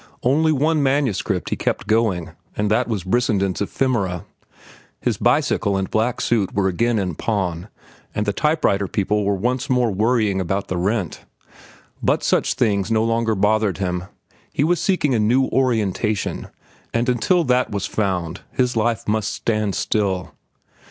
Only one manuscript he kept going, and that was Brissenden's "Ephemera." His bicycle and black suit were again in pawn, and the type writer people were once more worrying about the rent. But such things no longer bothered him. He was seeking a new orientation, and until that was found his life must stand still.